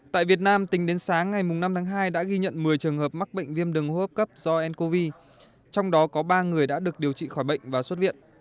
tại việt nam tính đến sáng ngày năm tháng hai đã ghi nhận một mươi trường hợp mắc bệnh viêm đường hô hấp cấp do ncov trong đó có ba người đã được điều trị khỏi bệnh và xuất viện